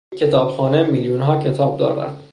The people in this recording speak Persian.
این کتابخانه میلیونها کتاب دارد.